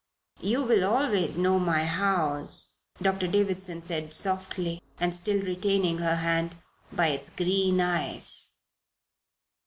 "You will always know my house," Doctor Davison said, softly, and still retaining her hand, "by its green eyes."